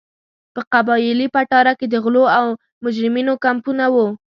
په قبایلي پټاره کې د غلو او مجرمینو کمپونه وو.